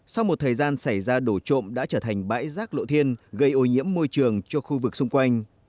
sau một thời gian xảy ra đổ trộm đã trở thành bãi rác lộ thiên gây ô nhiễm môi trường cho khu vực xung quanh